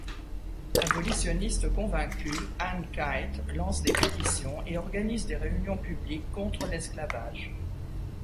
Abolitionniste convaincue, Anne Kight lance des pétitions et organise des réunions publiques contre l'esclavage.